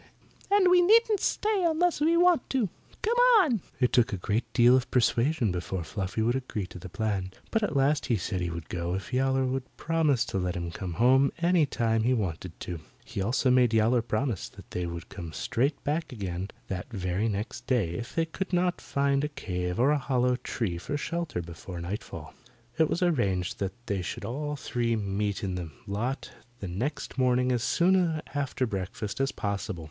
And we needn't stay unless we want to. Come on!" It took a great deal of persuasion before Fluffy would agree to the plan, but at last he said he would go if Yowler would promise to let him come home any time he wanted to. He also made Yowler promise that they would come straight back again that very day if they could not find a cave or a hollow tree for shelter before nightfall. [Illustration: He dreamed he was trying to run down a road toward a wood and a dog was after him two dogs ] It was arranged that they should all three meet in the lot the next morning as soon after breakfast as possible.